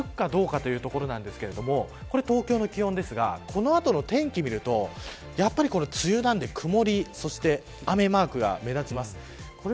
この暑さが続くかどうかというところなんですがこれは東京の気温ですがこの後の天気を見るとやはり梅雨なんで、曇りそして雨マークが目立ちます。